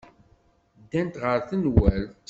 Ddant ɣer tenwalt.